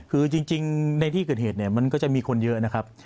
คือจริงในที่เกิดเหตุเนี่ยมันก็จะมีคนเยอะนะครับ